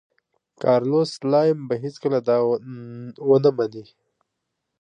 کارلوس سلایم به هېڅکله دا ونه مني.